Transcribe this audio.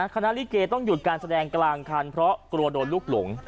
ลิเกต้องหยุดการแสดงกลางคันเพราะกลัวโดนลูกหลง